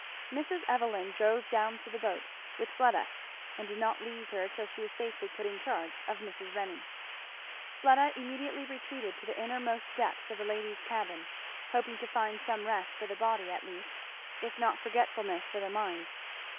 Mrs. Evelyn drove down to the boat with Fleda and did not leave her till she was safely put in charge of Mrs. Renney. Fleda immediately retreated to the innermost depths of the ladies' cabin, hoping to find some rest for the body at least if not forgetfulness for the mind.